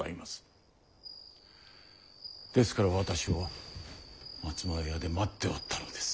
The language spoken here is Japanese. ですから私は松前屋で待っておったのです。